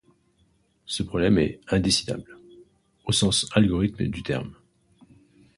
Ce problème est indécidable, au sens algorithmique du terme.